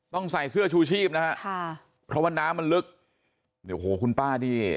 ใส่เสื้อชูชีพนะฮะค่ะเพราะว่าน้ำมันลึกเนี่ยโอ้โหคุณป้านี่